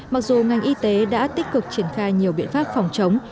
mặc dù ngành y tế đã tích cực triển khai nhiều biện pháp phòng chống